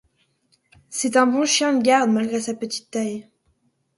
C'est un bon chien de garde, malgré sa petite taille.